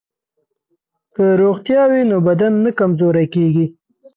که روغتیا وي نو بدن نه کمزوری کیږي.